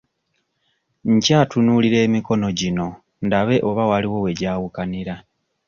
Nkyatunuulira emikono gino ndabe oba waliwo we gyawukanira.